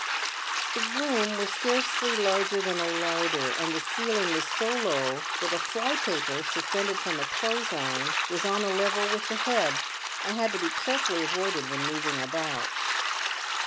The room was scarcely larger than a larder, and the ceiling was so low that a fly paper, suspended from a clothes line, was on a level with the head, and had to be carefully avoided when moving about.